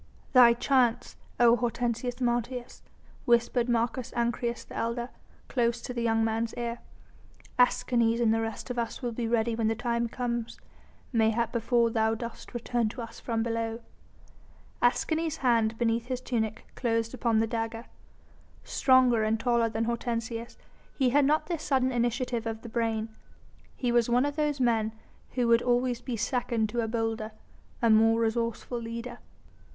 "Thy chance, O Hortensius Martius," whispered Marcus Ancyrus, the elder, close to the young man's ear. "Escanes and the rest of us will be ready when the time comes, mayhap before thou dost return to us from below." Escanes' hand beneath his tunic closed upon the dagger. Stronger and taller than Hortensius, he had not the sudden initiative of the brain. He was one of those men who would always be second to a bolder, a more resourceful leader.